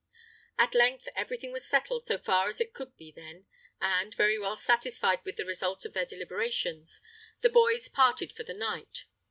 At length everything was settled so far as it could be then, and, very well satisfied with the result of their deliberations, the boys parted for the night.